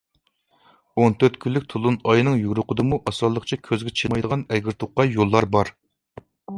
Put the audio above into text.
ئون تۆت كۈنلۈك تولۇن ئاينىڭ يورۇقىدىمۇ ئاسانلىقچە كۆزگە چېلىقمايدىغان ئەگىر توقاي يوللار بار.